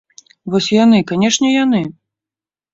Вось яны, канешне, яны!